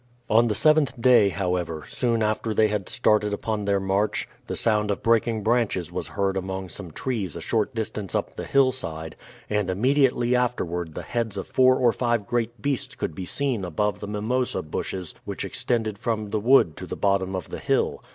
On the seventh day, however, soon after they had started upon their march, the sound of breaking branches was heard among some trees a short distance up the hillside, and immediately afterward the heads of four or five great beasts could be seen above the mimosa bushes which extended from the wood to the bottom of the hill.